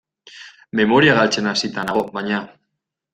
Memoria galtzen hasita nago, baina.